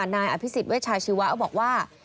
นายอภิษฎเวชาชีวะบอกว่า